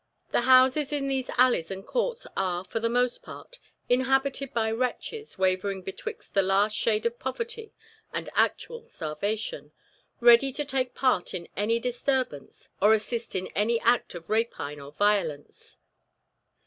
The houses in these alleys and courts are, for the most part, inhabited by wretches wavering betwixt the last shade of poverty and actual starvation, ready to take part in any disturbance, or assist in any act of rapine or violence.